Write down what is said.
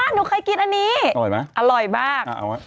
อ๋อหนูเคยกินอันนี้อร่อยมาก